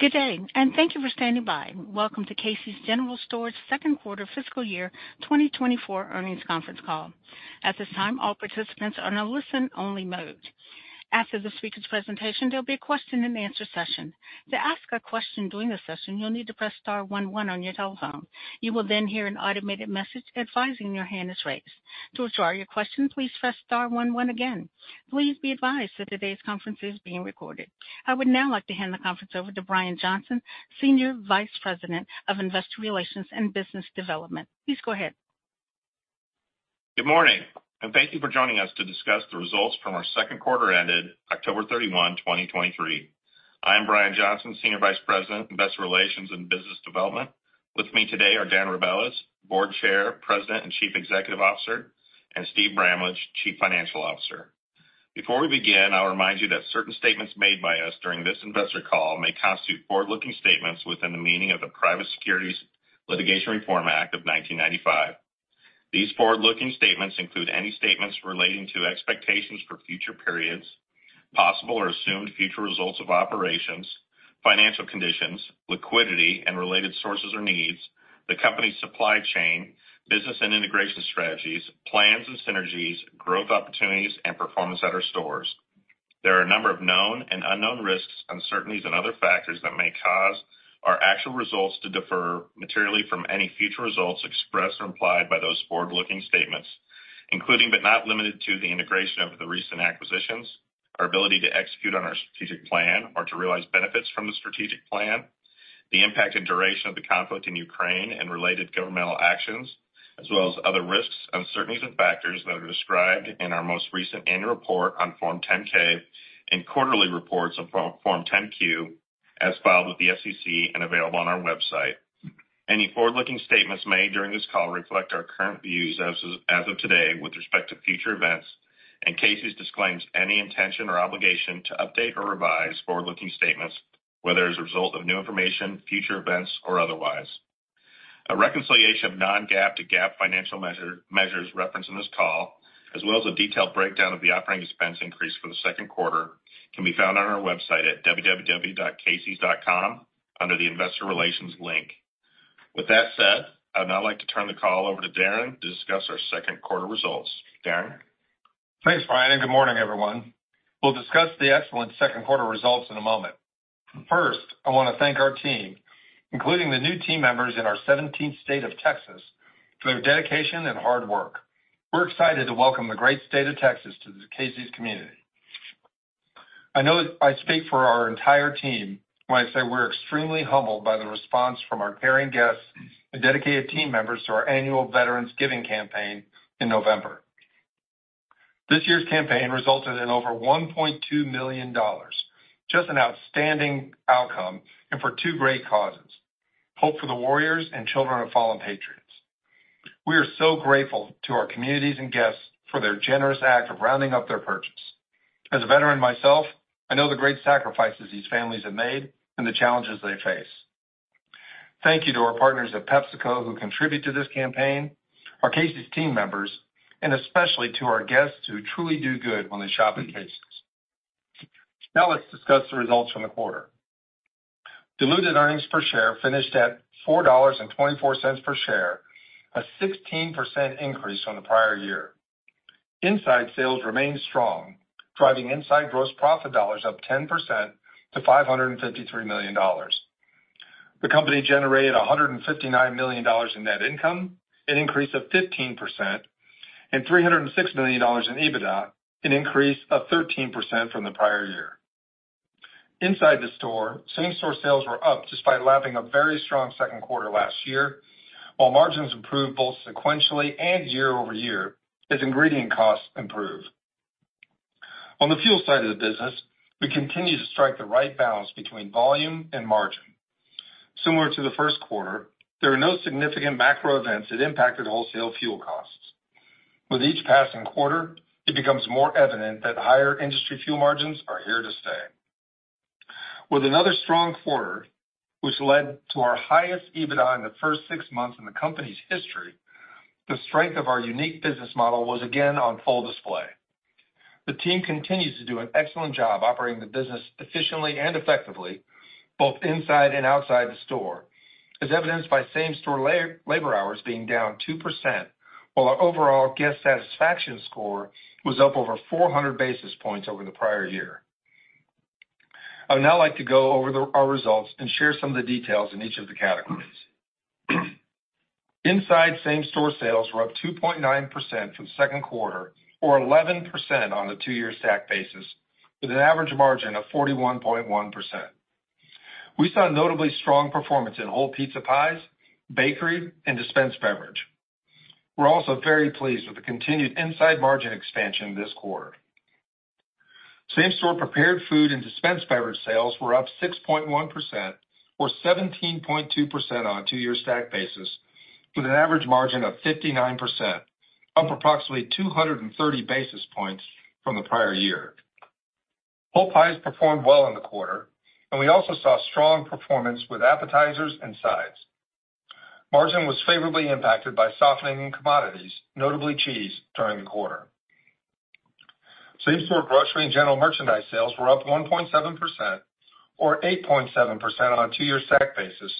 Good day, and thank you for standing by. Welcome to Casey's General Stores' Q2 fiscal year 2024 earnings conference call. At this time, all participants are in a listen-only mode. After the speaker's presentation, there'll be a Q&A session. To ask a question during the session, you'll need to press star one one on your telephone. You will then hear an automated message advising your hand is raised. To withdraw your question, please press star one one again. Please be advised that today's conference is being recorded. I would now like to hand the conference over Brian Johnson, Senior Vice President of Investor Relations and Business Development. Please go ahead. Good morning, and thank you for joining us to discuss the results from our Q2 ended October 31st, 2023. Brian Johnson, Senior Vice President, Investor Relations and Business Development. With me today Darren Rebelez, Board Chair, President, and Chief Executive Officer, Steve Bramlage, Chief Financial Officer. Before we begin, I'll remind you that certain statements made by us during this investor call may constitute forward-looking statements within the meaning of the Private Securities Litigation Reform Act of 1995. These forward-looking statements include any statements relating to expectations for future periods, possible or assumed future results of operations, financial conditions, liquidity and related sources or needs, the company's supply chain, business and integration strategies, plans and synergies, growth opportunities, and performance at our stores. There are a number of known and unknown risks, uncertainties, and other factors that may cause our actual results to differ materially from any future results expressed or implied by those forward-looking statements, including but not limited to, the integration of the recent acquisitions, our ability to execute on our strategic plan or to realize benefits from the strategic plan, the impact and duration of the conflict in Ukraine and related governmental actions, as well as other risks, uncertainties, and factors that are described in our most recent annual report on Form 10-K and quarterly reports on Form 10-Q, as filed with the SEC and available on our website. Any forward-looking statements made during this call reflect our current views as of today with respect to future events, and Casey's disclaims any intention or obligation to update or revise forward-looking statements, whether as a result of new information, future events, or otherwise. A reconciliation of non-GAAP to GAAP financial measure, measures referenced in this call, as well as a detailed breakdown of the operating expense increase for the Q2, can be found on our website at www.caseys.com under the Investor Relations link. With that said, I'd now like to turn the call over to Darren Rebelez to discuss our Q2 results. Darren Rebelez? Thanks, Brian Johnson, and good morning, everyone. We'll discuss the excellent Q2 results in a moment. First, I wanna thank our team, including the new team members in our 17th state of Texas, for their dedication and hard work. We're excited to welcome the great state of Texas to the Casey's community. I know that I speak for our entire team when I say we're extremely humbled by the response from our caring guests and dedicated team members to our annual Veterans Giving Campaign in November. This year's campaign resulted in over $1.2 million. Just an outstanding outcome and for two great causes: Hope For The Warriors and Children of Fallen Patriots. We are so grateful to our communities and guests for their generous act of rounding up their purchase. As a veteran myself, I know the great sacrifices these families have made and the challenges they face. Thank you to our partners at PepsiCo, who contribute to this campaign, our Casey's team members, and especially to our guests who truly do good when they shop at Casey's. Now let's discuss the results from the quarter. Diluted earnings per share finished at $4.24 per share, a 16% increase from the prior-year. Inside sales remained strong, driving inside gross profit dollars up 10% to $553 million. The company generated $159 million in net income, an increase of 15%, and $306 million in EBITDA, an increase of 13% from the prior-year. Inside the store, same-store sales were up despite lapping a very strong Q2 last year, while margins improved both sequentially and year-over-year as ingredient costs improved. On the fuel side of the business, we continue to strike the right balance between volume and margin. Similar to the Q1, there are no significant macro events that impacted wholesale fuel costs. With each passing quarter, it becomes more evident that higher industry fuel margins are here to stay. With another strong quarter, which led to our highest EBITDA in the first six months in the company's history, the strength of our unique business model was again on full display. The team continues to do an excellent job operating the business efficiently and effectively, both inside and outside the store, as evidenced by same-store labor hours being down 2%, while our overall guest satisfaction score was up over 400 basis points over the prior-year. I would now like to go over our results and share some of the details in each of the categories. Inside same-store sales were up 2.9% from Q2 or 11% on a two-year stack basis, with an average margin of 41.1%. We saw notably strong performance in whole pizza pies, bakery, and dispensed beverages. We're also very pleased with the continued inside margin expansion this quarter. Same-store prepared food and dispensed beverages sales were up 6.1% or 17.2% on a two-year stack basis, with an average margin of 59%, up approximately 230 basis points from the prior-year. Whole pies performed well in the quarter, and we also saw strong performance with appetizers and sides. Margin was favorably impacted by softening commodities, notably cheese, during the quarter. So same-store grocery and general merchandise sales were up 1.7% or 8.7% on a two-year stack basis,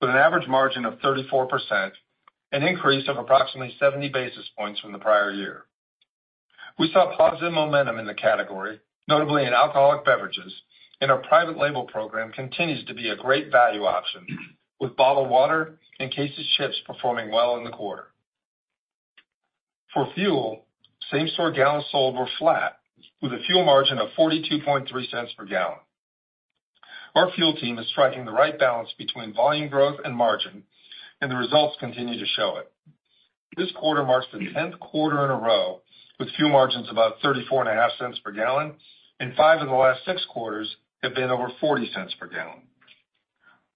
with an average margin of 34%, an increase of approximately 70 basis points from the prior-year. We saw positive momentum in the category, notably in alcoholic beverages, and our private label program continues to be a great value option, with bottled water and case of chips performing well in the quarter. For fuel, same-store gallons sold were flat, with a fuel margin of $0.423 per gallon. Our fuel team is striking the right balance between volume growth and margin, and the results continue to show it. This quarter marks the 10th quarter in a row, with fuel margins about $0.345 per gallon, and five of the last six quarters have been over $0.40 per gallon.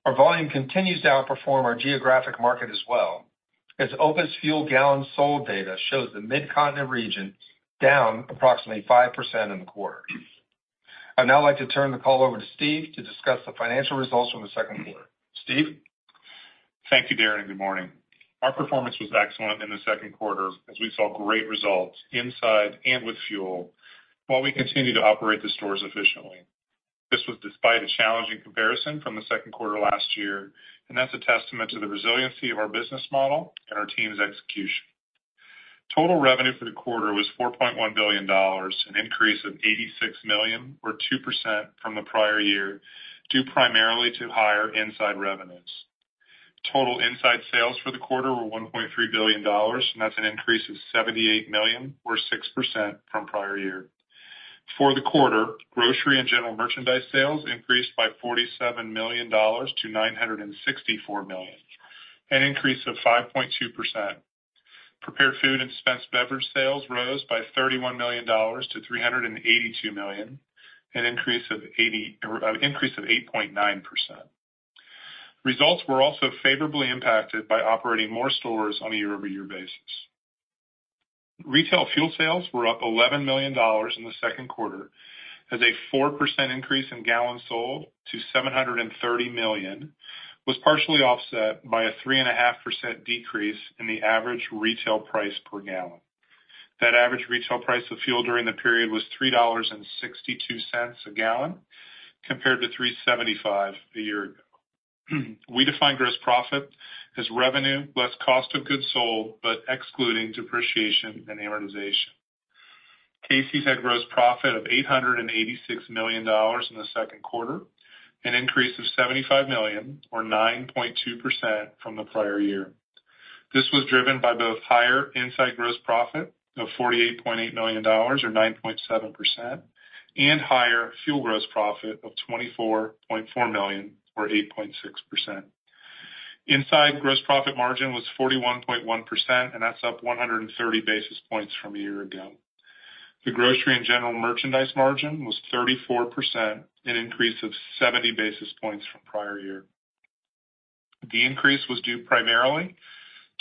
Our volume continues to outperform our geographic market as well, as OPIS fuel gallons sold data shows the Mid-Continent region down approximately 5% in the quarter. I'd now like to turn the call over to Steve Bramlage to discuss the financial results from the Q2. Steve Bramlage? Thank you, Darren Rebelez, and good morning. Our performance was excellent in the Q2 as we saw great results inside and with fuel, while we continued to operate the stores efficiently. This was despite a challenging comparison from the Q2 last year, and that's a testament to the resiliency of our business model and our team's execution. Total revenue for the quarter was $4.1 billion, an increase of $86 million, or 2% from the prior-year, due primarily to higher inside revenues. Total inside sales for the quarter were $1.3 billion, and that's an increase of $78 million, or 6% from prior-year. For the quarter, grocery and general merchandise sales increased by $47 million to $964 million, an increase of 5.2%. Prepared food and dispensed beverage sales rose by $31 million to $382 million, an increase of 8.9%. Results were also favorably impacted by operating more stores on a year-over-year basis. Retail fuel sales were up $11 million in the Q2, as a 4% increase in gallons sold to 730 million was partially offset by a 3.5% decrease in the average retail price per gallon. That average retail price of fuel during the period was $3.62 a gallon, compared to $3.75 a year ago. We define gross profit as revenue, less cost of goods sold, but excluding depreciation and amortization. Casey's had gross profit of $886 million in the Q2, an increase of $75 million or 9.2% from the prior-year. This was driven by both higher inside gross profit of $48.8 million or 9.7%, and higher fuel gross profit of $24.4 million, or 8.6%. Inside gross profit margin was 41.1%, and that's up 130 basis points from a year ago. The grocery and general merchandise margin was 34%, an increase of 70 basis points from prior-year. The increase was due primarily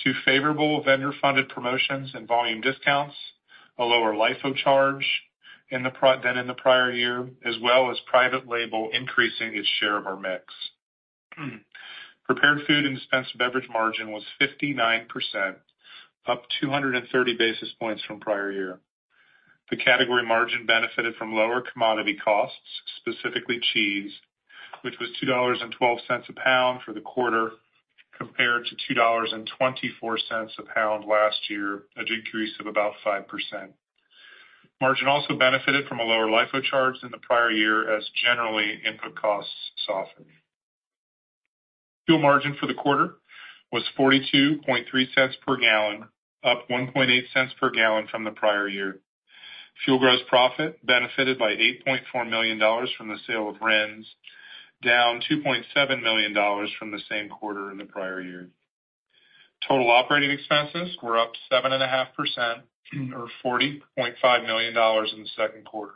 to favorable vendor-funded promotions and volume discounts, a lower LIFO charge than in the prior-year, as well as private label increasing its share of our mix. Prepared food and dispensed beverage margin was 59%, up 230 basis points from prior-year. The category margin benefited from lower commodity costs, specifically cheese, which was $2.12 a pound for the quarter, compared to $2.24 a pound last year, a decrease of about 5%. Margin also benefited from a lower LIFO charge than the prior-year as generally input costs softened. Fuel margin for the quarter was $0.423 per gallon, up $0.018 per gallon from the prior-year. Fuel gross profit benefited by $8.4 million from the sale of RINs, down $2.7 million from the same quarter in the prior-year. Total operating expenses were up 7.5%, or $40.5 million in the Q2.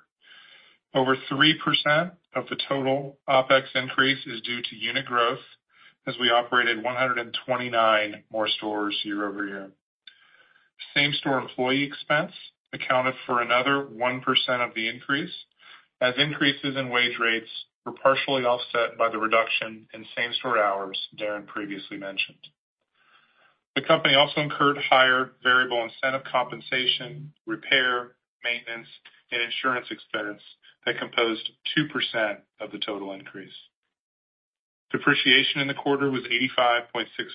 Over 3% of the total OpEx increase is due to unit growth, as we operated 129 more stores year-over-year. Same-store employee expense accounted for another 1% of the increase, as increases in wage rates were partially offset by the reduction in same-store hours Darren Rebelez previously mentioned. The company also incurred higher variable incentive compensation, repair, maintenance, and insurance expense that composed 2% of the total increase. Depreciation in the quarter was $85.6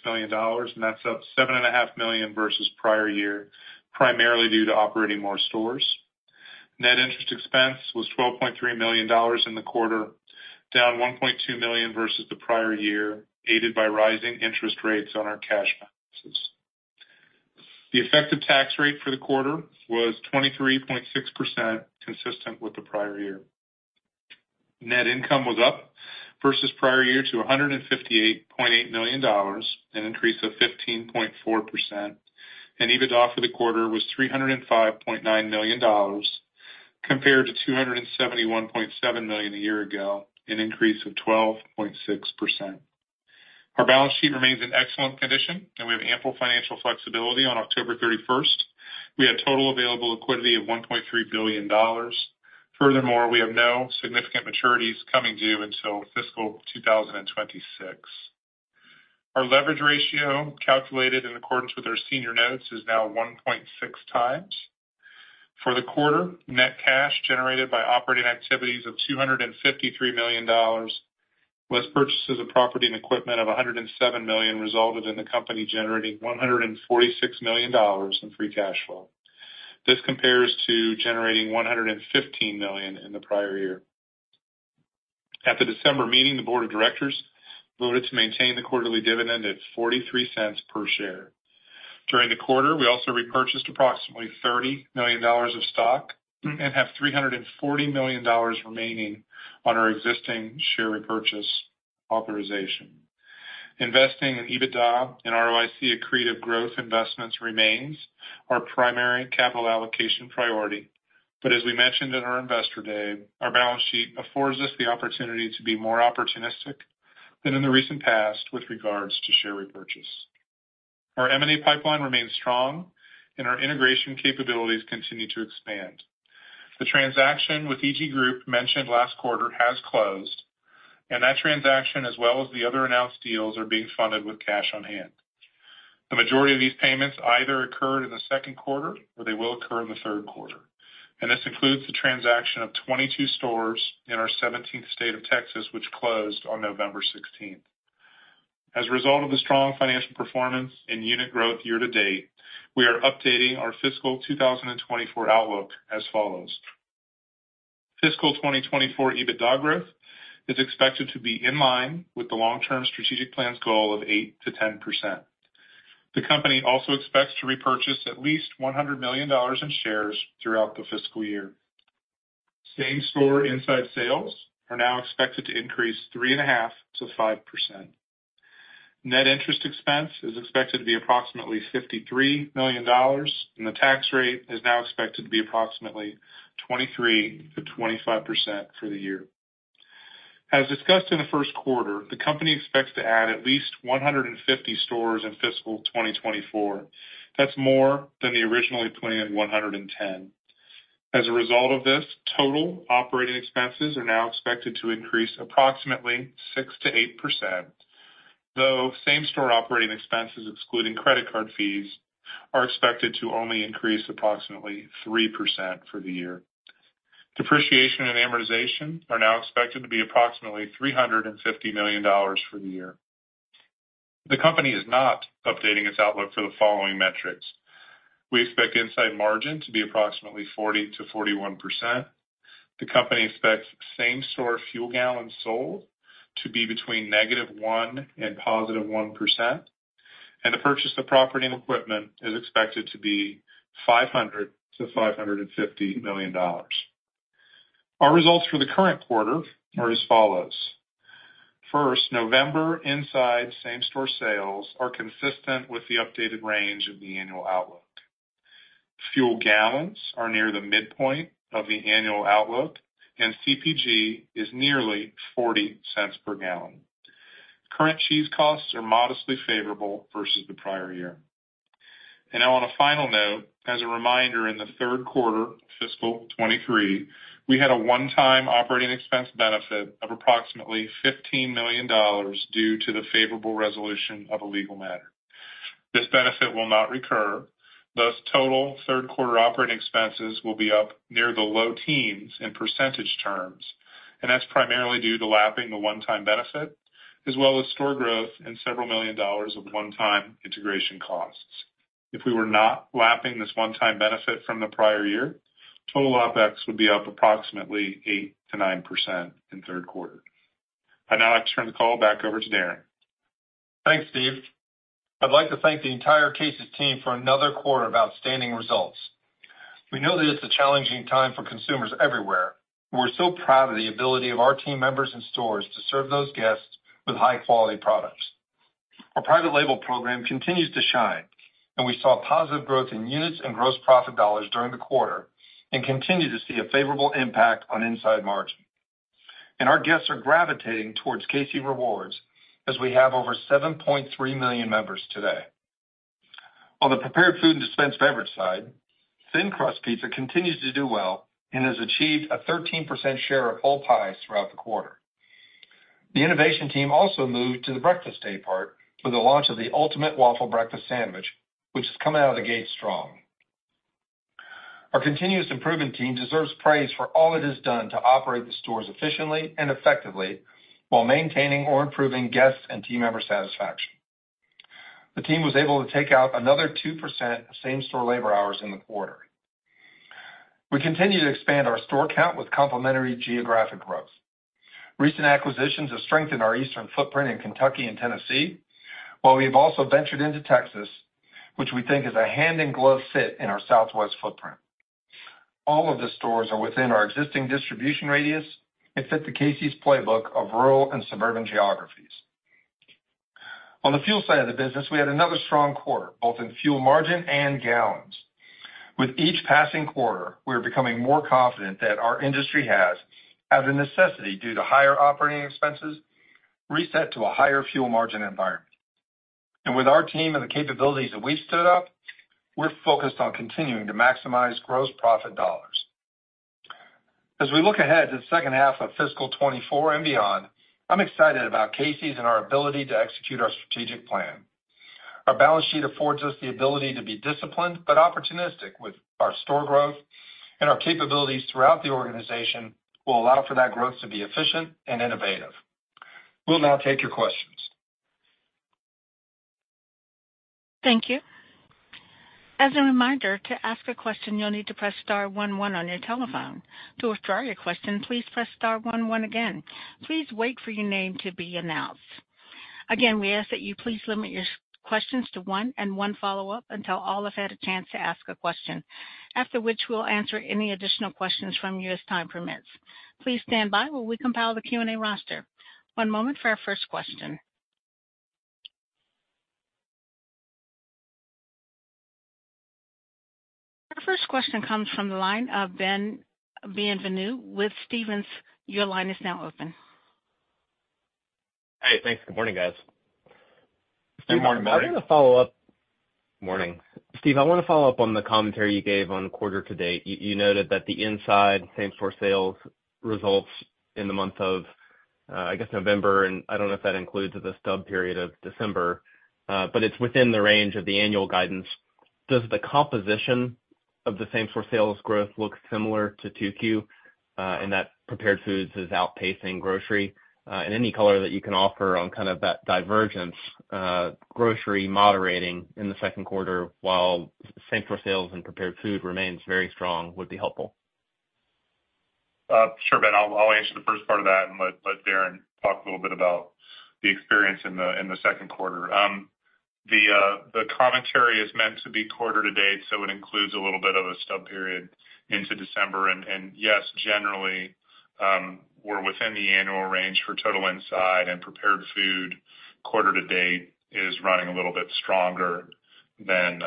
million, and that's up $7.5 million versus prior-year, primarily due to operating more stores. Net interest expense was $12.3 million in the quarter, down $1.2 million versus the prior-year, aided by rising interest rates on our cash balances. The effective tax rate for the quarter was 23.6%, consistent with the prior-year. Net income was up versus prior-year to $158.8 million, an increase of 15.4%, and EBITDA for the quarter was $305.9 million, compared to $271.7 million a year ago, an increase of 12.6%. Our balance sheet remains in excellent condition, and we have ample financial flexibility. On October 31st, we had total available liquidity of $1.3 billion. Furthermore, we have no significant maturities coming due until fiscal 2026. Our leverage ratio, calculated in accordance with our senior notes, is now 1.6 times. For the quarter, net cash generated by operating activities of $253 million, plus purchases of property and equipment of $107 million, resulted in the company generating $146 million in free cash flow. This compares to generating $115 million in the prior-year. At the December meeting, the board of directors voted to maintain the quarterly dividend at $0.43 per share. During the quarter, we also repurchased approximately $30 million of stock and have $340 million remaining on our existing share repurchase authorization. Investing in EBITDA and ROIC accretive growth investments remains our primary capital allocation priority. But as we mentioned in our investor day, our balance sheet affords us the opportunity to be more opportunistic than in the recent past with regards to share repurchase. Our M&A pipeline remains strong, and our integration capabilities continue to expand. The transaction with EG Group mentioned last quarter has closed, and that transaction, as well as the other announced deals, are being funded with cash on hand. The majority of these payments either occurred in the Q2 or they will occur in the Q3, and this includes the transaction of 22 stores in our 17th state of Texas, which closed on November 16th. As a result of the strong financial performance and unit growth year to date, we are updating our fiscal 2024 outlook as follows: Fiscal 2024 EBITDA growth is expected to be in line with the long-term strategic plan's goal of 8%-10%. The company also expects to repurchase at least $100 million in shares throughout the fiscal year. Same-store inside sales are now expected to increase 3.5%-5%. Net interest expense is expected to be approximately $53 million, and the tax rate is now expected to be approximately 23%-25% for the year. As discussed in the Q1, the company expects to add at least 150 stores in fiscal 2024. That's more than the originally planned 110. As a result of this, total operating expenses are now expected to increase approximately 6%-8%, though same-store operating expenses, excluding credit card fees, are expected to only increase approximately 3% for the year. Depreciation and amortization are now expected to be approximately $350 million for the year. The company is not updating its outlook for the following metrics. We expect inside margin to be approximately 40%-41%. The company expects same-store fuel gallons sold to be between -1% and +1%, and the purchase of property and equipment is expected to be $500 million-$550 million. Our results for the current quarter are as follows: First, November inside same-store sales are consistent with the updated range of the annual outlook. Fuel gallons are near the midpoint of the annual outlook, and CPG is nearly $0.40 per gallon. Current cheese costs are modestly favorable versus the prior-year. And now on a final note, as a reminder, in the Q3 of fiscal 2023, we had a one-time operating expense benefit of approximately $15 million due to the favorable resolution of a legal matter. This benefit will not recur, thus, total Q3 operating expenses will be up near the low-teens%, and that's primarily due to lapping the one-time benefit, as well as store growth and several million dollars of one-time integration costs. If we were not lapping this one-time benefit from the prior-year, total OpEx would be up approximately 8%-9% in the Q3. I'd now like to turn the call back over to Darren Rebelez. Thanks, Steve Bramlage. I'd like to thank the entire Casey's team for another quarter of outstanding results. We know that it's a challenging time for consumers everywhere, and we're so proud of the ability of our team members and stores to serve those guests with high-quality products. Our private label program continues to shine, and we saw positive growth in units and gross profit dollars during the quarter and continue to see a favorable impact on inside margin. And our guests are gravitating towards Casey's Rewards, as we have over 7.3 million members today. On the prepared food and dispensed beverage side, thin crust pizza continues to do well and has achieved a 13% share of all pies throughout the quarter. The innovation team also moved to the breakfast day part with the launch of the Ultimate Waffle Breakfast Sandwich, which has come out of the gate strong. Our continuous improvement team deserves praise for all it has done to operate the stores efficiently and effectively while maintaining or improving guests and team member satisfaction. The team was able to take out another 2% same-store labor hours in the quarter. We continue to expand our store count with complementary geographic growth. Recent acquisitions have strengthened our eastern footprint in Kentucky and Tennessee, while we've also ventured into Texas, which we think is a hand-in-glove fit in our Southwest footprint. All of the stores are within our existing distribution radius and fit the Casey's playbook of rural and suburban geographies. On the fuel side of the business, we had another strong quarter, both in fuel margin and gallons. With each passing quarter, we are becoming more confident that our industry has, out of necessity, due to higher operating expenses, reset to a higher fuel margin environment. With our team and the capabilities that we've stood up, we're focused on continuing to maximize gross profit dollars. As we look ahead to the H2 of fiscal 2024 and beyond, I'm excited about Casey's and our ability to execute our strategic plan. Our balance sheet affords us the ability to be disciplined, but opportunistic with our store growth, and our capabilities throughout the organization will allow for that growth to be efficient and innovative. We'll now take your questions. Thank you. As a reminder, to ask a question, you'll need to press star one one on your telephone. To withdraw your question, please press star one one again. Please wait for your name to be announced. Again, we ask that you please limit your questions to one and one follow-up until all have had a chance to ask a question. After which, we'll answer any additional questions from you as time permits. Please stand by while we compile the Q&A roster. One moment for our first question. Our first question comes from the line of Ben Bienvenu with Stephens. Your line is now open. Hey, thanks. Good morning, guys. Good morning, Ben Bienvenu. Morning. Steve Bramlage, I want to follow up on the commentary you gave on quarter to date. You noted that the inside same-store sales results in the month of, I guess, November, and I don't know if that includes the stub period of December, but it's within the range of the annual guidance. Does the composition of the same-store sales growth look similar to 2Q, in that prepared foods is outpacing grocery? And any color that you can offer on kind of that divergence, grocery moderating in the Q2, while same-store sales and prepared food remains very strong, would be helpful. Sure, Ben Bienvenu, I'll answer the first part of that and let Darren Rebelez talk a little bit about the experience in the Q2. The commentary is meant to be quarter-to-date, so it includes a little bit of a stub period into December. Yes, generally, we're within the annual range for total inside and prepared food. Quarter-to-date is running a little bit stronger than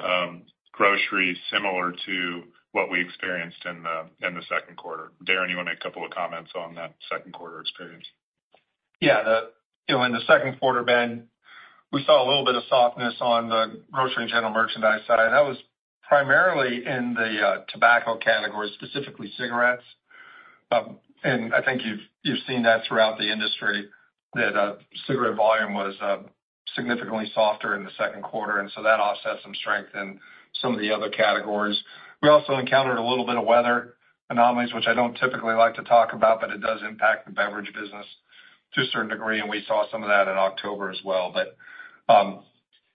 grocery, similar to what we experienced in the Q2. Darren Rebelez, you want to make a couple of comments on that Q2 experience? Yeah, you know, in the Q2, Ben Bienvenu, we saw a little bit of softness on the grocery and general merchandise side, and that was primarily in the tobacco category, specifically cigarettes. And I think you've, you've seen that throughout the industry, that cigarettes volume was significantly softer in the Q2, and so that offsets some strength in some of the other categories. We also encountered a little bit of weather anomalies, which I don't typically like to talk about, but it does impact the beverage business to a certain degree, and we saw some of that in October as well. But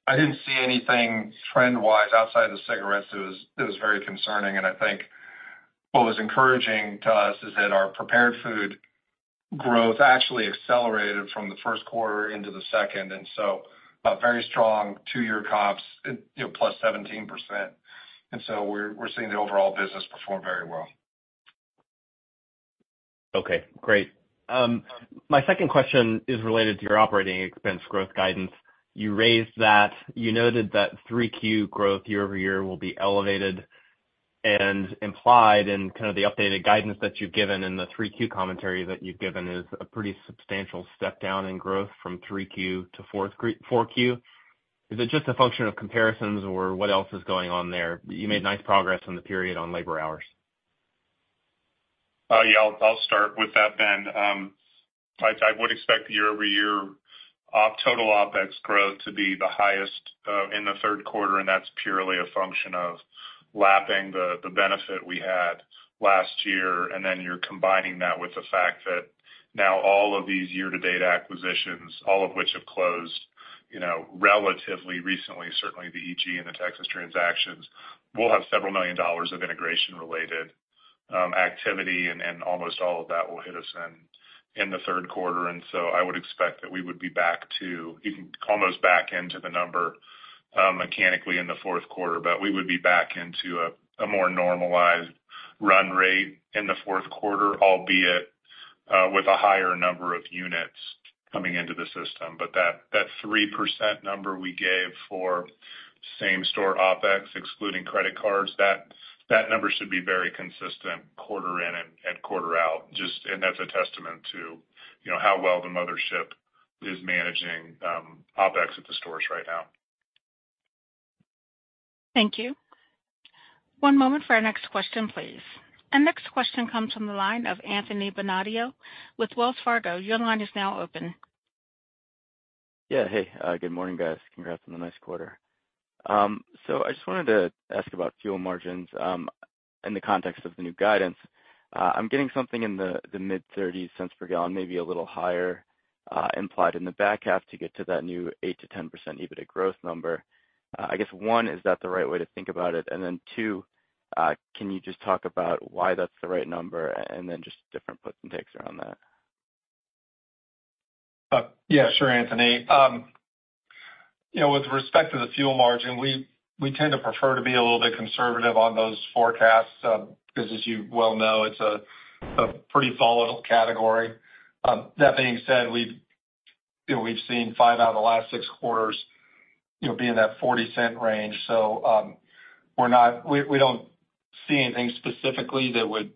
I didn't see anything trend-wise outside of the cigarettes that was, that was very concerning. And I think what was encouraging to us is that our prepared food growth actually accelerated from the Q1 into the Q2, and so a very strong two-year comps, you know, +17%. And so we're seeing the overall business perform very well. Okay, great. My second question is related to your operating expense growth guidance. You raised that you noted that 3Q growth year-over-year will be elevated and implied in kind of the updated guidance that you've given and the 3Q commentary that you've given is a pretty substantial step down in growth from 3Q to 4Q. Is it just a function of comparisons or what else is going on there? You made nice progress on the period on labor hours. Yeah, I'll start with that then. I would expect the year-over-year total OpEx growth to be the highest in the Q3, and that's purely a function of lapping the benefit we had last year. And then you're combining that with the fact that now all of these year-to-date acquisitions, all of which have closed, you know, relatively recently, certainly the EG and the Texas transactions, will have several million dollars of integration related activity, and almost all of that will hit us in the Q3. And so I would expect that we would be back to, you can almost back into the number mechanically in the Q4, but we would be back into a more normalized run rate in the Q4, albeit with a higher number of units coming into the system. But that 3% number we gave for same-store OpEx, excluding credit cards, that number should be very consistent quarter in and quarter out. Just and that's a testament to, you know, how well the mothership is managing OpEx at the stores right now. Thank you. One moment for our next question, please. Our next question comes from the line Anthony Bonadio with Wells Fargo. Your line is now open. Yeah. Hey, good morning, guys. Congrats on the nice quarter. So I just wanted to ask about fuel margins, in the context of the new guidance. I'm getting something in the mid-$0.30s per gallon, maybe a little higher, implied in the back half to get to that new 8%-10% EBITDA growth number. I guess, one, is that the right way to think about it? And then, two, can you just talk about why that's the right number, and then just different puts and takes around that? Yeah, sure, Anthony Bonadio. You know, with respect to the fuel margin, we tend to prefer to be a little bit conservative on those forecasts, because as you well know, it's a pretty volatile category. That being said, you know, we've seen five out of the last six quarters, you know, be in that $0.40 range. So, we're not—we don't see anything specifically that would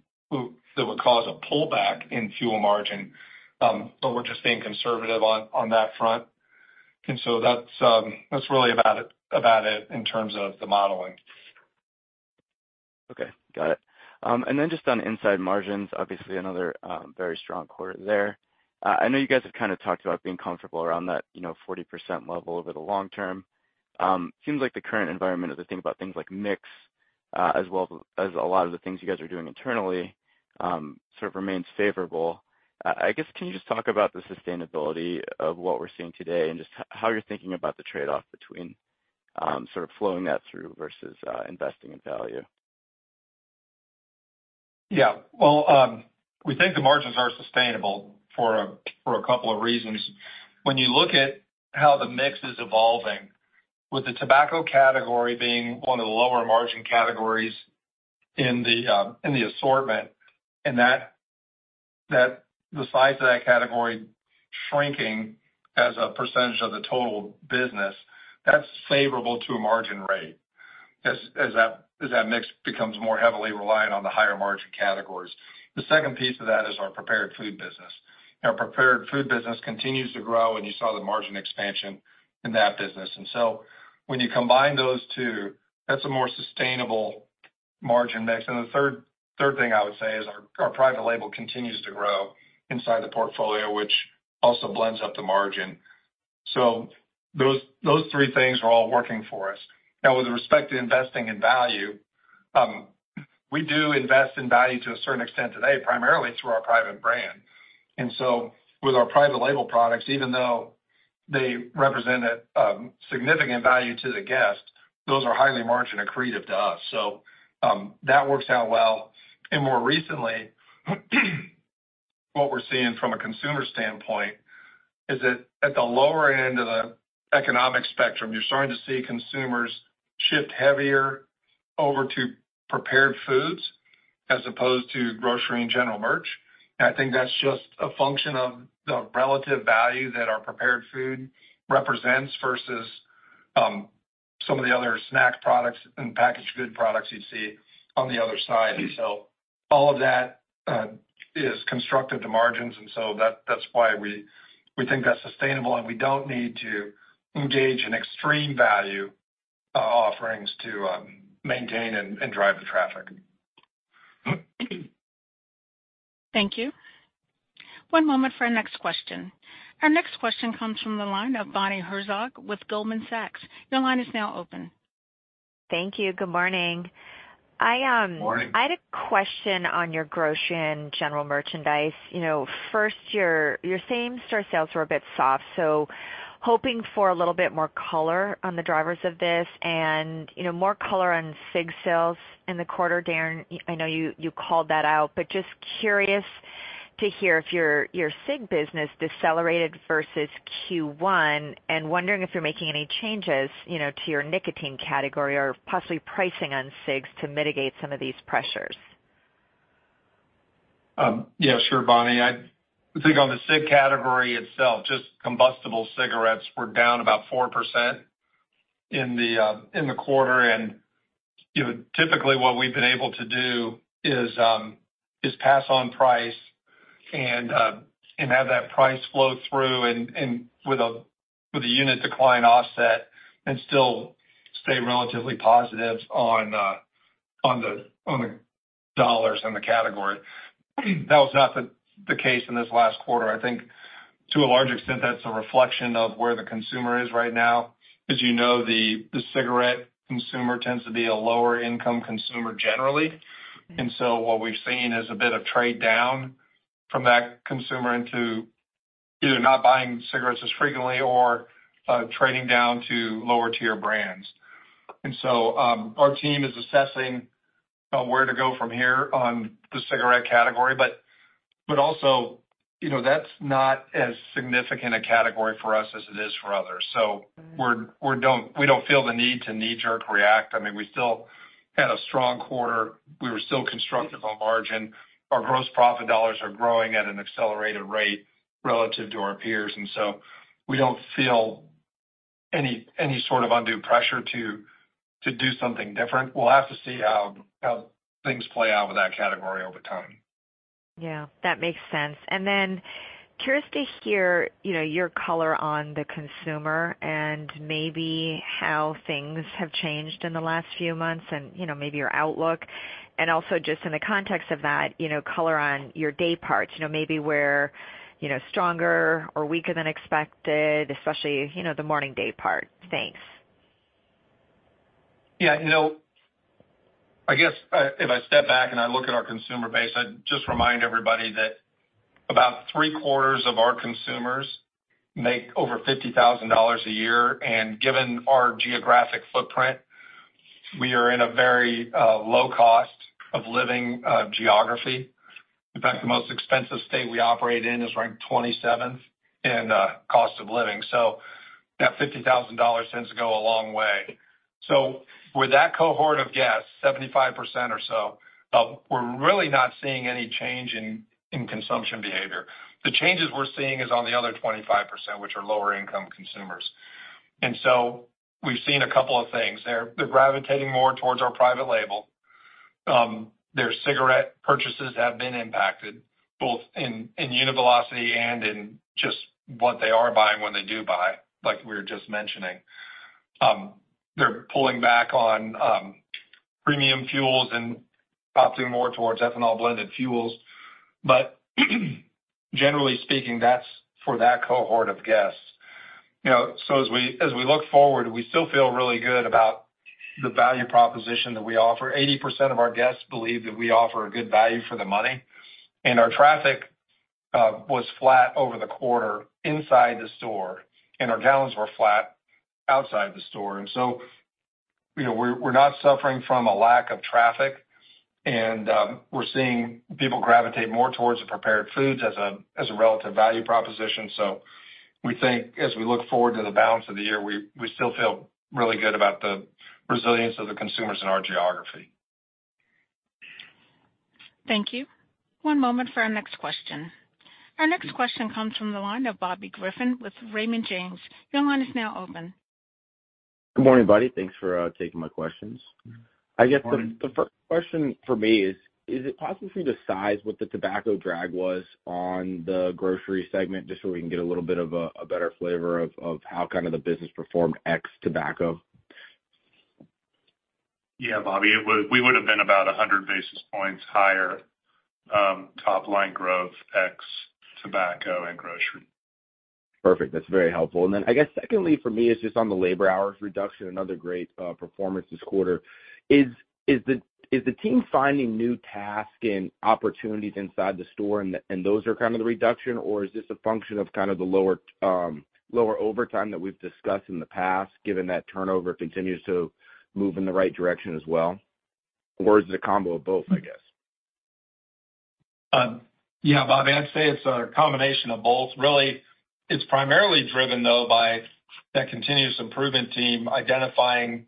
cause a pullback in fuel margin, but we're just being conservative on that front. So that's really about it in terms of the modeling. Okay, got it. And then just on inside margins, obviously another very strong quarter there. I know you guys have kind of talked about being comfortable around that, you know, 40% level over the long term. Seems like the current environment is to think about things like mix, as well as a lot of the things you guys are doing internally, sort of remains favorable. I guess, can you just talk about the sustainability of what we're seeing today and just how you're thinking about the trade-off between, sort of flowing that through versus, investing in value? Yeah. Well, we think the margins are sustainable for a couple of reasons. When you look at how the mix is evolving, with the tobacco category being one of the lower margin categories in the assortment, and that the size of that category shrinking as a percentage of the total business, that's favorable to a margin rate, as that mix becomes more heavily reliant on the higher margin categories. The second piece of that is our prepared food business. Our prepared food business continues to grow, and you saw the margin expansion in that business. And so when you combine those two, that's a more sustainable margin mix. And the third thing I would say is our private label continues to grow inside the portfolio, which also blends up the margin. So those, those three things are all working for us. Now, with respect to investing in value, we do invest in value to a certain extent today, primarily through our private brand. And so with our private label products, even though they represent a significant value to the guest, those are highly margin accretive to us. So, that works out well. And more recently, what we're seeing from a consumer standpoint is that at the lower end of the economic spectrum, you're starting to see consumers shift heavier over to prepared foods as opposed to grocery and general merch. And I think that's just a function of the relative value that our prepared food represents versus some of the other snack products and packaged good products you'd see on the other side. So all of that is constructive to margins, and so that's why we think that's sustainable, and we don't need to engage in extreme value offerings to maintain and drive the traffic. Thank you. One moment for our next question. Our next question comes from the line Bonnie Herzog with Goldman Sachs. Your line is now open. Thank you. Good morning. Good morning. I had a question on your grocery and general merchandise. You know, first, your same-store sales were a bit soft, so hoping for a little bit more color on the drivers of this and, you know, more color on cigarettes sales in the quarter. Darren Rebelez, I know you called that out, but just curious to hear if your cigarettes business decelerated versus Q1, and wondering if you're making any changes, you know, to your nicotine category or possibly pricing on cigarettes to mitigate some of these pressures. Yeah, sure, Bonnie Herzog. I think on the cigarettes category itself, just combustible cigarettes were down about 4% in the quarter. And, you know, typically, what we've been able to do is pass on price and have that price flow through and with a unit decline offset, and still stay relatively positive on the dollars in the category. That was not the case in this last quarter. I think to a large extent, that's a reflection of where the consumer is right now. As you know, the cigarettes consumer tends to be a lower income consumer generally. And so what we've seen is a bit of trade down from that consumer into either not buying cigarettes as frequently or trading down to lower tier brands. And so, our team is assessing where to go from here on the cigarettes category. But also, you know, that's not as significant a category for us as it is for others. So we don't feel the need to knee-jerk react. I mean, we still had a strong quarter. We were still constructive on margin. Our gross profit dollars are growing at an accelerated rate relative to our peers, and so we don't feel any sort of undue pressure to do something different. We'll have to see how things play out with that category over time. Yeah, that makes sense. And then curious to hear, you know, your color on the consumer and maybe how things have changed in the last few months and, you know, maybe your outlook. And also just in the context of that, you know, color on your day parts, you know, maybe where, you know, stronger or weaker than expected, especially, you know, the morning day part. Thanks. Yeah, you know, I guess, if I step back and I look at our consumer base, I'd just remind everybody that about 3/4 of our consumers make over $50,000 a year, and given our geographic footprint, we are in a very low cost of living geography. In fact, the most expensive state we operate in is ranked 27th in cost of living. So that $50,000 tends to go a long way. So with that cohort of guests, 75% or so, we're really not seeing any change in consumption behavior. The changes we're seeing is on the other 25%, which are lower income consumers. And so we've seen a couple of things. They're gravitating more towards our private label.... Their cigarettes purchases have been impacted, both in unit velocity and in just what they are buying when they do buy, like we were just mentioning. They're pulling back on premium fuels and opting more towards ethanol-blended fuels. But generally speaking, that's for that cohort of guests. You know, so as we look forward, we still feel really good about the value proposition that we offer. 80% of our guests believe that we offer a good value for the money, and our traffic was flat over the quarter inside the store, and our gallons were flat outside the store. And so, you know, we're not suffering from a lack of traffic, and we're seeing people gravitate more towards the prepared foods as a relative value proposition. We think as we look forward to the balance of the year, we still feel really good about the resilience of the consumers in our geography. Thank you. One moment for our next question. Our next question comes from the line Bobby Griffin with Raymond James. Your line is now open. Good morning, buddy. Thanks for taking my questions. Good morning. I guess the first question for me is, is it possible for you to size what the tobacco drag was on the grocery segment, just so we can get a little bit of a better flavor of how kind of the business performed ex tobacco? Yeah, Bobby Griffin, we would've been about 100 basis points higher, top line growth, ex tobacco and grocery. Perfect. That's very helpful. And then I guess secondly, for me, it's just on the labor hours reduction, another great performance this quarter. Is the team finding new tasks and opportunities inside the store, and those are kind of the reduction, or is this a function of kind of the lower overtime that we've discussed in the past, given that turnover continues to move in the right direction as well? Or is it a combo of both, I guess? Yeah, Bobby Griffin, I'd say it's a combination of both. Really, it's primarily driven, though, by that continuous improvement team identifying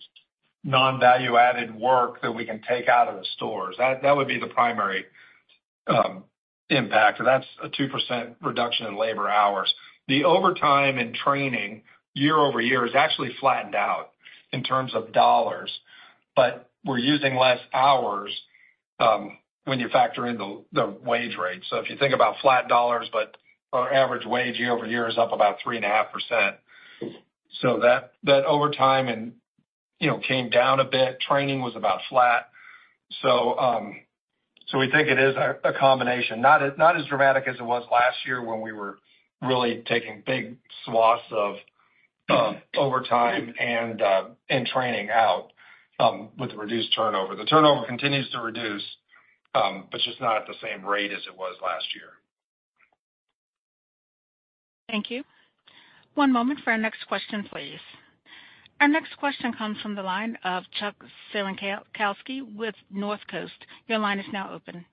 non-value-added work that we can take out of the stores. That would be the primary impact. So that's a 2% reduction in labor hours. The overtime and training year-over-year has actually flattened out in terms of dollars, but we're using less hours when you factor in the wage rate. So if you think about flat dollars, but our average wage year-over-year is up about 3.5%. So that overtime and, you know, came down a bit, training was about flat. So we think it is a combination. Not as dramatic as it was last year when we were really taking big swaths of overtime and training out with the reduced turnover. The turnover continues to reduce, but just not at the same rate as it was last year. Thank you. One moment for our next question, please. Our next question comes from the line Chuck Cerankosky with North Coast Research. Your line is now open.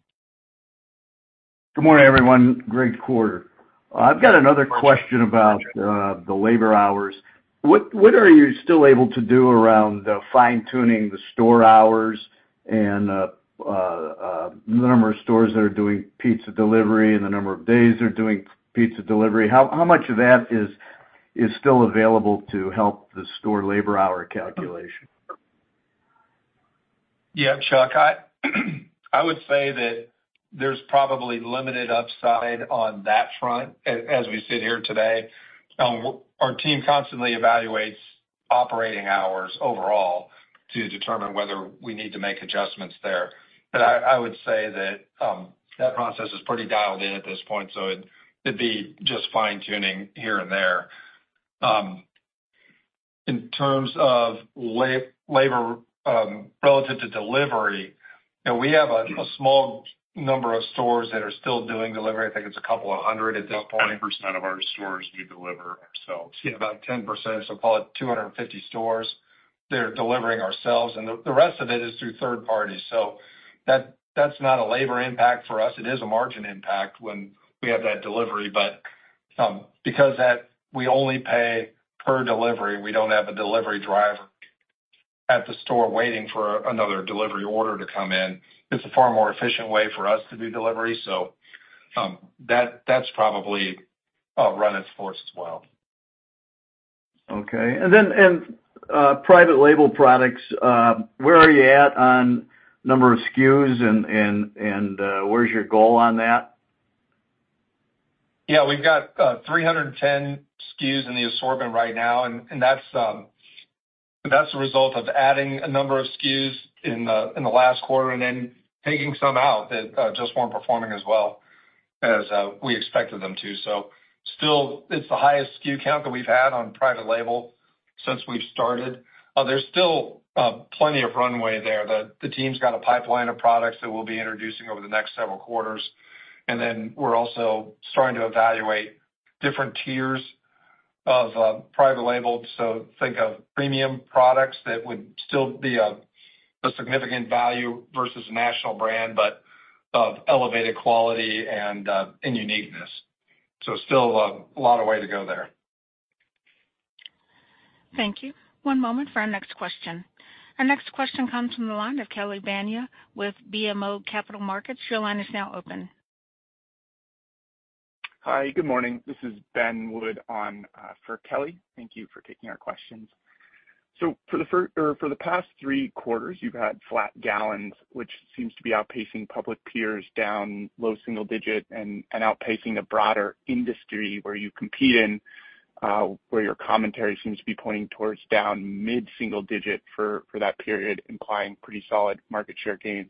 Good morning, everyone. Great quarter. I've got another question about the labor hours. What are you still able to do around fine-tuning the store hours and the number of stores that are doing pizza delivery and the number of days they're doing pizza delivery? How much of that is still available to help the store labor hour calculation? Yeah, Chuck Cerankosky, I would say that there's probably limited upside on that front as we sit here today. Our team constantly evaluates operating hours overall to determine whether we need to make adjustments there. But I would say that that process is pretty dialed in at this point, so it'd be just fine-tuning here and there. In terms of labor, relative to delivery, you know, we have a small number of stores that are still doing delivery. I think it's 200 stores at this point. 10% of our stores we deliver ourselves. Yeah, about 10%, so call it 250 stores. They're delivering ourselves, and the rest of it is through third parties. So that's not a labor impact for us. It is a margin impact when we have that delivery, but because we only pay per delivery, we don't have a delivery driver at the store waiting for another delivery order to come in. It's a far more efficient way for us to do delivery, so that's probably run its course as well. Okay. And then private label products, where are you at on number of SKUs and where's your goal on that? Yeah, we've got 310 SKUs in the assortment right now, and that's a result of adding a number of SKUs in the last quarter, and then taking some out that just weren't performing as well as we expected them to. So still, it's the highest SKU count that we've had on private label since we've started. There's still plenty of runway there. The team's got a pipeline of products that we'll be introducing over the next several quarters, and then we're also starting to evaluate different tiers of private label. So think of premium products that would still be a significant value versus a national brand, but of elevated quality and uniqueness. So still, a lot of way to go there. Thank you. One moment for our next question. Our next question comes from the line Kelly Bania with BMO Capital Markets. Your line is now open. Hi, good morning. This is Ben Wood on for Kelly Bania. Thank you for taking our questions. So for the past three quarters, you've had flat gallons, which seems to be outpacing public peers down low-single-digit and outpacing the broader industry where you compete in, where your commentary seems to be pointing towards down mid-single-digit for that period, implying pretty solid market share gains.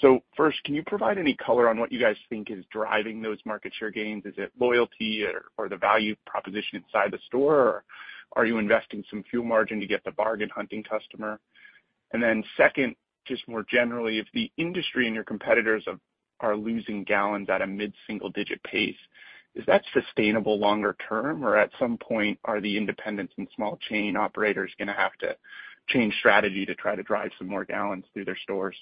So first, can you provide any color on what you guys think is driving those market share gains? Is it loyalty or the value proposition inside the store, or are you investing some fuel margin to get the bargain hunting customer? And then second, just more generally, if the industry and your competitors are losing gallons at a mid-single digit pace, is that sustainable longer term, or at some point, are the independents and small chain operators gonna have to change strategy to try to drive some more gallons through their stores?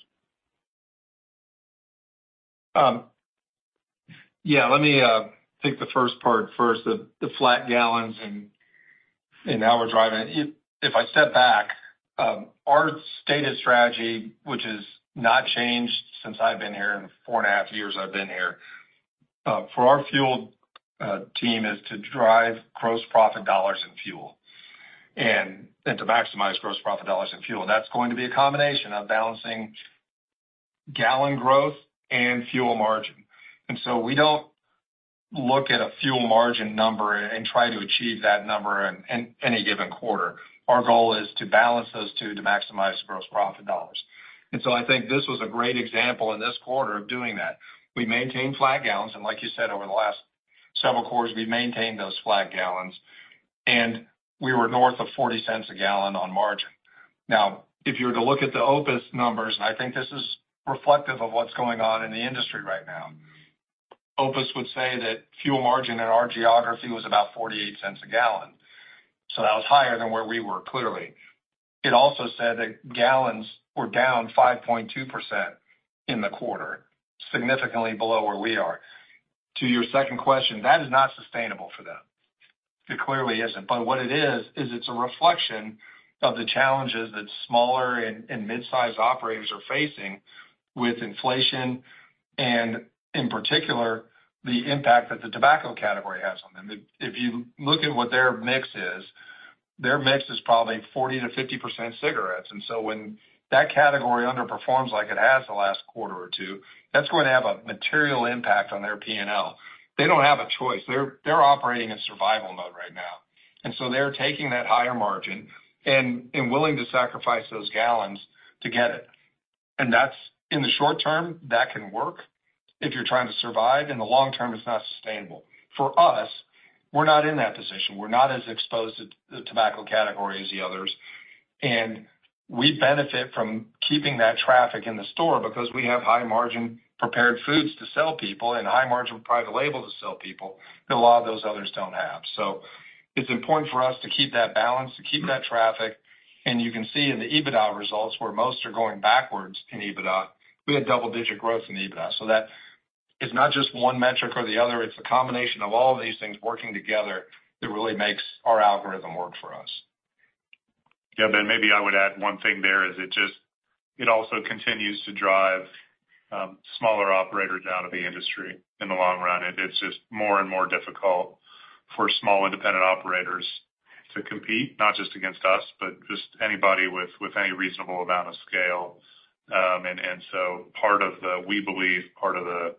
Yeah, let me take the first part first, the flat gallons and how we're driving it. If I step back, our stated strategy, which has not changed since I've been here, in the four and 1/2 years I've been here, for our fuel team, is to drive gross profit dollars in fuel, and to maximize gross profit dollars in fuel. That's going to be a combination of balancing gallon growth and fuel margin. And so we don't look at a fuel margin number and try to achieve that number in any given quarter. Our goal is to balance those two to maximize gross profit dollars. And so I think this was a great example in this quarter of doing that. We maintained flat gallons, and like you said, over the last several quarters, we've maintained those flat gallons, and we were north of $0.40 a gallon on margin. Now, if you were to look at the OPIS numbers, and I think this is reflective of what's going on in the industry right now, OPIS would say that fuel margin in our geography was about $0.48 a gallon. So that was higher than where we were, clearly. It also said that gallons were down 5.2% in the quarter, significantly below where we are. To your second question, that is not sustainable for them. It clearly isn't. But what it is, is it's a reflection of the challenges that smaller and mid-sized operators are facing with inflation and, in particular, the impact that the tobacco category has on them. If you look at what their mix is, their mix is probably 40%-50% cigarettes. And so when that category underperforms like it has the last quarter or two, that's going to have a material impact on their P&L. They don't have a choice. They're operating in survival mode right now, and so they're taking that higher margin and willing to sacrifice those gallons to get it. And in the short term, that can work if you're trying to survive. In the long term, it's not sustainable. For us, we're not in that position. We're not as exposed to the tobacco category as the others, and we benefit from keeping that traffic in the store because we have high-margin prepared foods to sell people and high-margin private label to sell people that a lot of those others don't have. So it's important for us to keep that balance, to keep that traffic. And you can see in the EBITDA results, where most are going backwards in EBITDA, we had double-digit growth in EBITDA. So that is not just one metric or the other. It's a combination of all of these things working together that really makes our algorithm work for us. Yeah, Ben Wood, maybe I would add one thing there. It also continues to drive smaller operators out of the industry in the long run. It's just more and more difficult for small, independent operators to compete, not just against us, but just anybody with any reasonable amount of scale. And so part of the we believe part of the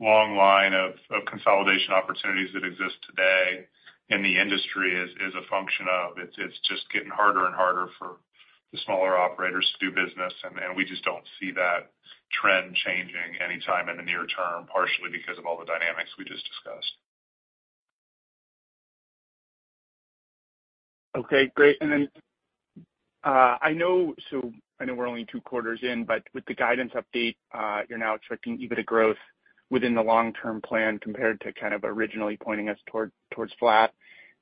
long line of consolidation opportunities that exist today in the industry is a function of it's just getting harder and harder for the smaller operators to do business, and we just don't see that trend changing anytime in the near term, partially because of all the dynamics we just discussed. Okay, great. Then, I know, so I know we're only two quarters in, but with the guidance update, you're now expecting EBITDA growth within the long-term plan, compared to kind of originally pointing us toward, towards flat.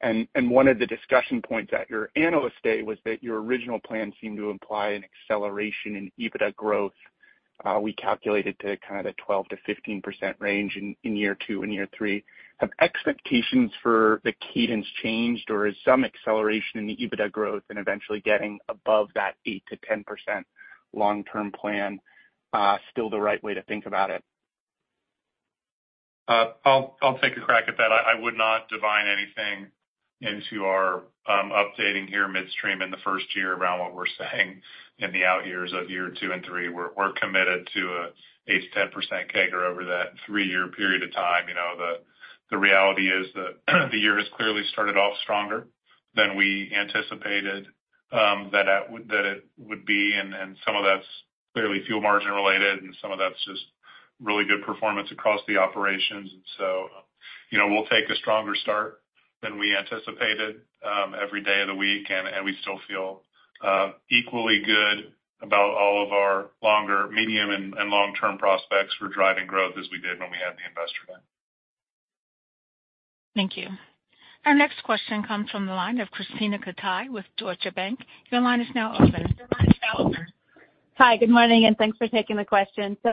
And, one of the discussion points at your analyst day was that your original plan seemed to imply an acceleration in EBITDA growth, we calculated to kind of the 12%-15% range in, year two and year three. Have expectations for the cadence changed, or is some acceleration in the EBITDA growth and eventually getting above that 8%-10% long-term plan, still the right way to think about it? I'll take a crack at that. I would not divine anything into our updating here midstream in the first year around what we're saying in the out years of year two and three. We're committed to a 8%-10% CAGR over that three-year period of time. You know, the reality is that the year has clearly started off stronger than we anticipated, that it would be, and some of that's clearly fuel margin related, and some of that's just really good performance across the operations. So, you know, we'll take a stronger start than we anticipated, every day of the week, and we still feel equally good about all of our longer medium and long-term prospects for driving growth as we did when we had the investor day. Thank you. Our next question comes from the line of Krisztina Katai with Deutsche Bank. Your line is now open. Hi, good morning, and thanks for taking the question. So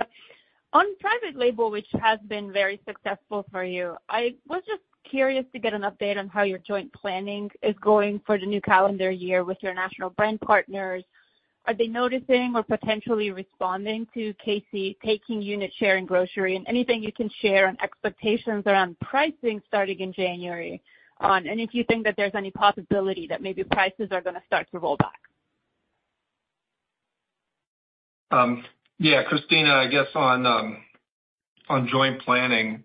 on private label, which has been very successful for you, I was just curious to get an update on how your joint planning is going for the new calendar year with your national brand partners. Are they noticing or potentially responding to Casey taking unit share in grocery? And anything you can share on expectations around pricing starting in January on, and if you think that there's any possibility that maybe prices are going to start to roll back? Yeah, Krisztina Katai, I guess on joint planning,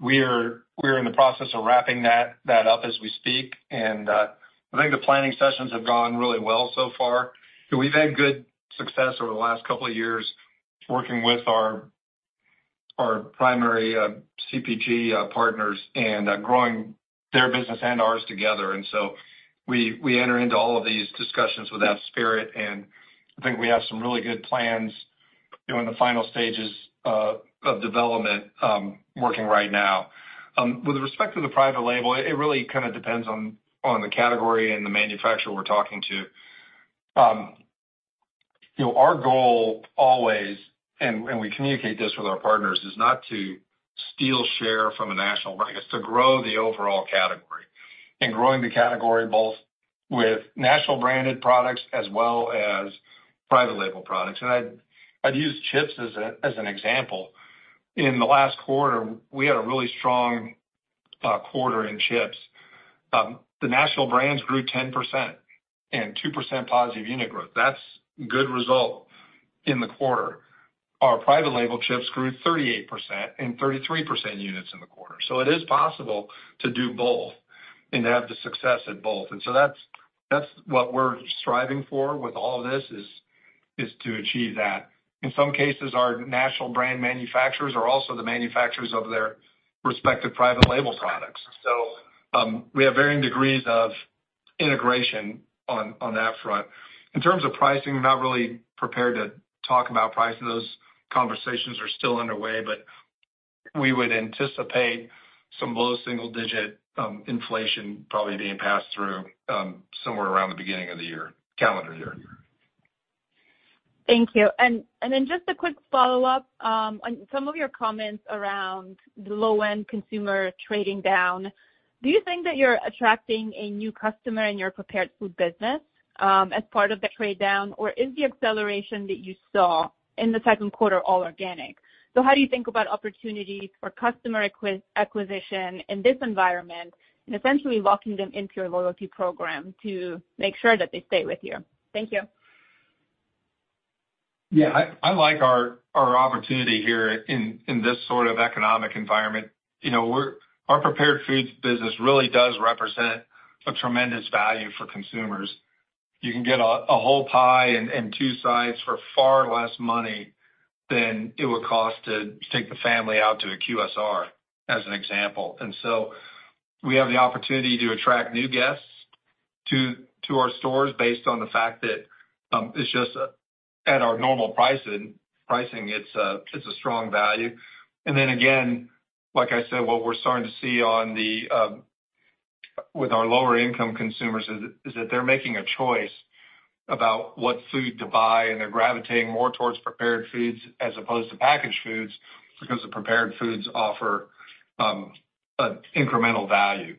we're in the process of wrapping that up as we speak, and I think the planning sessions have gone really well so far. We've had good success over the last couple of years working with our primary CPG partners and growing their business and ours together. And so we enter into all of these discussions with that spirit, and I think we have some really good plans during the final stages of development working right now. With respect to the private label, it really kind of depends on the category and the manufacturer we're talking to. You know, our goal always, and we communicate this with our partners, is not to steal share from a national brand. It's to grow the overall category and growing the category both with national branded products as well as private label products. I'd use chips as an example. In the last quarter, we had a really strong quarter in chips. The national brands grew 10% and 2% positive unit growth. That's good result in the quarter. Our private label chips grew 38% and 33% units in the quarter. So it is possible to do both and to have the success at both. And so that's what we're striving for with all of this, is to achieve that. In some cases, our national brand manufacturers are also the manufacturers of their respective private label products. So, we have varying degrees of integration on that front. In terms of pricing, I'm not really prepared to talk about pricing. Those conversations are still underway, but we would anticipate some low single digit inflation probably being passed through, somewhere around the beginning of the year, calendar year. Thank you. And then just a quick follow-up on some of your comments around the low-end consumer trading down. Do you think that you're attracting a new customer in your prepared food business as part of the trade down? Or is the acceleration that you saw in the Q2 all organic? So how do you think about opportunities for customer acquisition in this environment and essentially locking them into your loyalty program to make sure that they stay with you? Thank you. Yeah. I like our opportunity here in this sort of economic environment. You know, we're our prepared foods business really does represent a tremendous value for consumers. You can get a whole pie and two sides for far less money than it would cost to take the family out to a QSR, as an example. And so we have the opportunity to attract new guests to our stores based on the fact that it's just at our normal pricing. It's a strong value. And then again, like I said, what we're starting to see with our lower income consumers is that they're making a choice about what food to buy, and they're gravitating more towards prepared foods as opposed to packaged foods, because the prepared foods offer an incremental value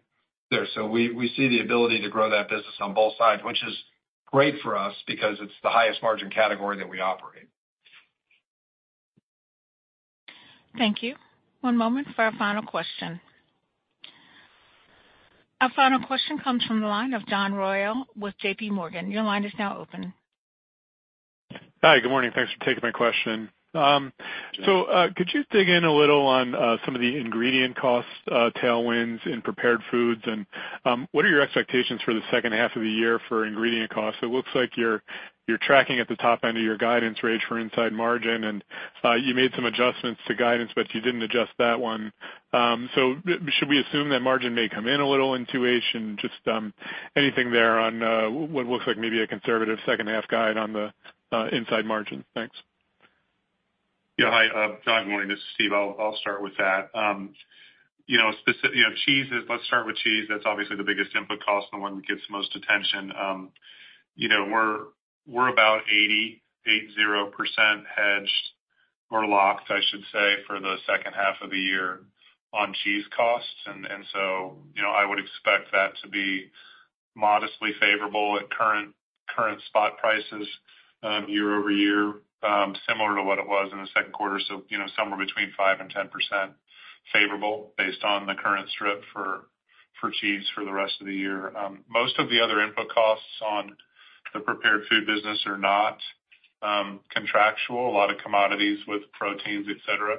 there. So we see the ability to grow that business on both sides, which is great for us because it's the highest margin category that we operate. Thank you. One moment for our final question. Our final question comes from the line of John Royall with JPMorgan. Your line is now open. Hi, good morning. Thanks for taking my question. So, could you dig in a little on some of the ingredient costs, tailwinds in prepared foods? And, what are your expectations for the H2 of the year for ingredient costs? It looks like you're tracking at the top end of your guidance range for inside margin, and you made some adjustments to guidance, but you didn't adjust that one. So should we assume that margin may come in a little in range? And just, anything there on what looks like maybe a conservative H2 guide on the inside margin? Thanks. Yeah. Hi, John Royall. Morning, this is Steve Bramlage. I'll start with that. You know, cheese is, let's start with cheese. That's obviously the biggest input cost and the one that gets the most attention. You know, we're about 88% hedged or locked, I should say, for the H2 of the year on cheese costs. And so, you know, I would expect that to be modestly favorable at current spot prices year-over-year, similar to what it was in the Q2. So, you know, somewhere between 5%-10% favorable based on the current strip for cheese for the rest of the year. Most of the other input costs on the prepared food business are not contractual. A lot of commodities with proteins, et cetera.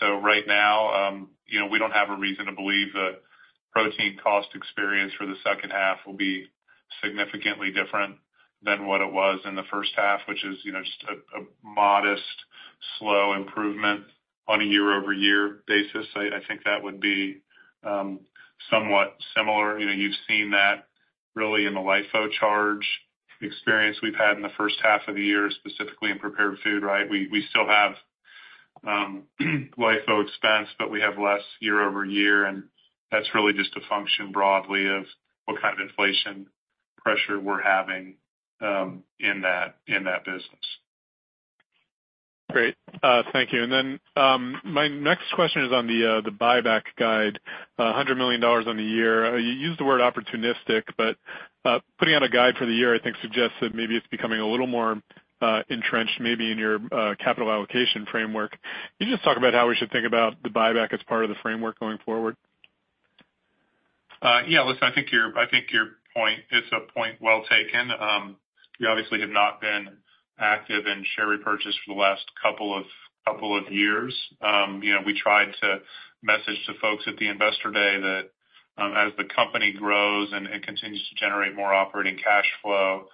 So right now, you know, we don't have a reason to believe that protein cost experience for the H2 will be significantly different than what it was in the H1, which is, you know, just a modest, slow improvement on a year-over-year basis. I think that would be somewhat similar. You know, you've seen that really in the LIFO charge experience we've had in the H1 of the year, specifically in prepared food, right? We still have LIFO expense, but we have less year-over-year, and that's really just a function broadly of what kind of inflation pressure we're having in that business. Great thank you. And then, my next question is on the, the buy-back guide, $100 million on the year. You used the word opportunistic, but, putting out a guide for the year, I think suggests that maybe it's becoming a little more, entrenched, maybe in your, capital allocation framework. Can you just talk about how we should think about the buyback as part of the framework going forward? Yeah, listen, I think your point, it's a point well taken. We obviously have not been active in share repurchase for the last couple of years. You know, we tried to message to folks at the Investor Day that, as the company grows and continues to generate more operating cash flow,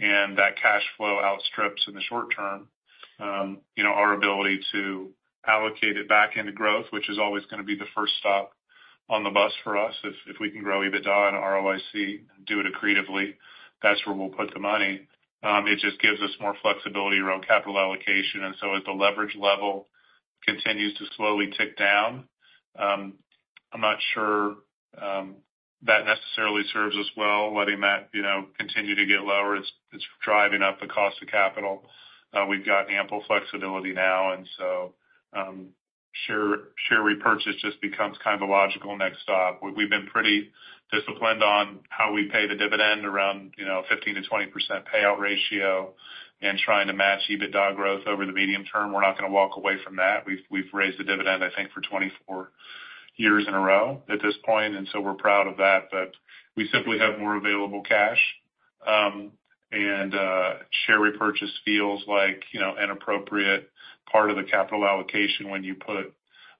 and that cash flow outstrips in the short-term, you know, our ability to allocate it back into growth, which is always gonna be the first stop on the bus for us, if we can grow EBITDA and ROIC, do it accretively, that's where we'll put the money. It just gives us more flexibility around capital allocation, and so as the leverage level continues to slowly tick down, I'm not sure that necessarily serves us well, letting that, you know, continue to get lower. It's driving up the cost of capital. We've got ample flexibility now, and so share repurchase just becomes kind of a logical next stop. We've been pretty disciplined on how we pay the dividend around, you know, 15%-20% payout ratio and trying to match EBITDA growth over the medium term. We're not gonna walk away from that. We've raised the dividend, I think, for 24 years in a row at this point, and so we're proud of that, but we simply have more available cash. And share repurchase feels like, you know, an appropriate part of the capital allocation when you put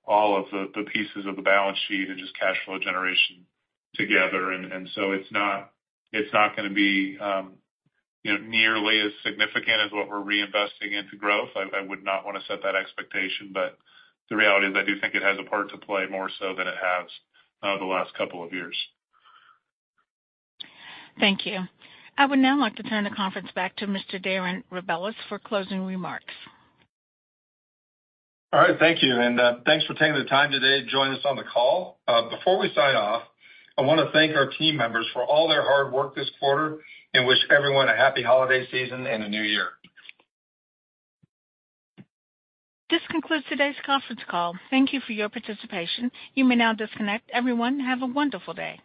all of the pieces of the balance sheet and just cash flow generation together. And so it's not gonna be, you know, nearly as significant as what we're reinvesting into growth. I would not wanna set that expectation, but the reality is I do think it has a part to play, more so than it has the last couple of years. Thank you. I would now like to turn the conference back to Darren Rebelez for closing remarks. All right, thank you, and thanks for taking the time today to join us on the call. Before we sign off, I wanna thank our team members for all their hard work this quarter and wish everyone a happy holiday season and a new year. This concludes today's conference call. Thank you for your participation. You may now disconnect. Everyone, have a wonderful day.